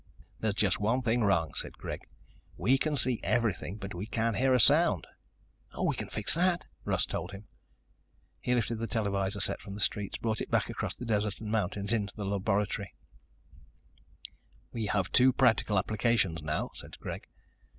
"There's just one thing wrong," said Greg. "We can see everything, but we can't hear a sound." "We can fix that," Russ told him. He lifted the televisor set from the streets, brought it back across the desert and mountains into the laboratory. "We have two practical applications now," said Greg.